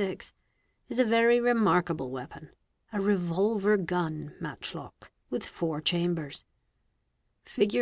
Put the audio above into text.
546) is a very remarkable weapon, a revolver gun matchlock, with four chambers; Hig.